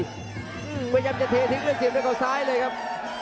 พยายามจะเททิ้งด้วยเสียบด้วยเขาซ้ายเลยครับ